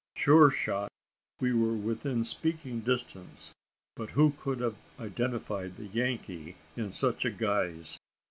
Sure shot! we were within speaking distance; but who could have identified the Yankee in such a guise?